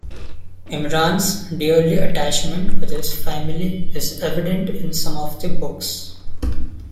Imran's dearly attachment with his family is evident in some of the books.